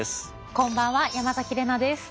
こんばんは山崎怜奈です。